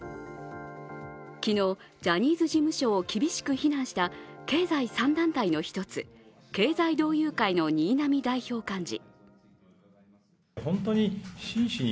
昨日、ジャニーズ事務所を厳しく非難した経済３団体の１つ経済同友会の新浪代表幹事。